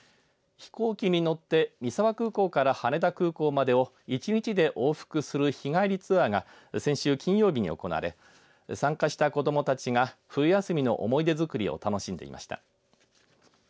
飛行機に乗って三沢空港から羽田空港までを１日で往復する日帰りツアーが先週金曜日に行われ参加した子どもたちが冬休みの思い出作りを楽しんでいました。